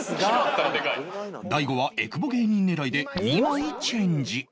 大悟は「えくぼ芸人」狙いで２枚チェンジ